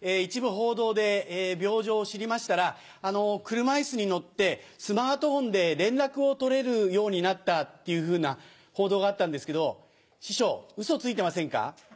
一部報道で病状を知りましたら、車いすに乗って、スマートフォンで連絡を取れるようになったっていうふうな報道があったんですけど、師匠、うそついてませんか。